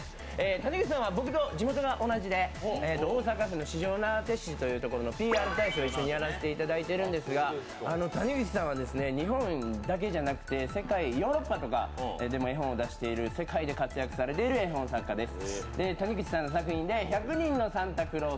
谷口さんは僕と地元が同じで、大阪府の四條畷市というところでＰＲ大使を一緒にやらせてもらってるんですが谷口さんは日本だけじゃなくて世界ヨーロッパとかでも絵本を出している世界で活躍されている絵本作家です。